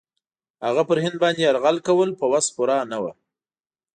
هغه پر هند باندي یرغل کول په وس پوره نه وه.